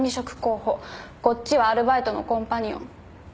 こっちはアルバイトのコンパニオン。